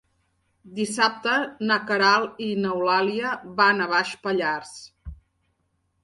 Dissabte na Queralt i n'Eulàlia van a Baix Pallars.